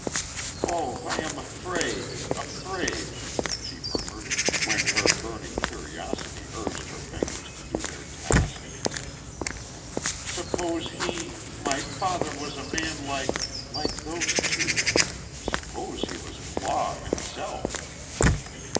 "Oh, I am afraid afraid," she murmured, when her burning curiosity urged her fingers to do their task. "Suppose he my father was a man like like those two suppose he was Claw, himself!"